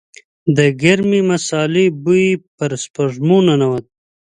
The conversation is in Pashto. د ګرمې مسالې بوی يې پر سپږمو ننوت.